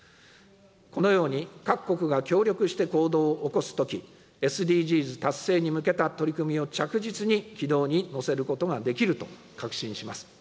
このように、各国が協力して行動を起こすとき、ＳＤＧｓ達成に向けた取り組みを着実に軌道に乗せることができると確信します。